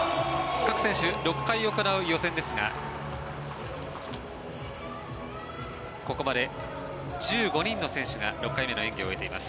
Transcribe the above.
各選手６回行う予選ですがここまで１５人の選手が６回目の演技を終えています。